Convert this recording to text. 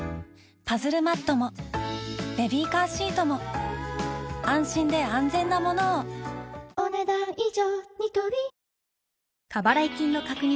パズルマットもベビーカーシートも安心で安全なものをお、ねだん以上。